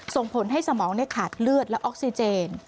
ส่งผลให้สมองขาดเลือดและออกซิเจน